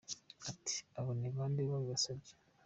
Ati, « Abo ni bande babibasabye ?